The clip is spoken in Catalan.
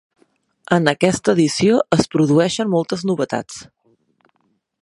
En aquesta edició es produeixen moltes novetats.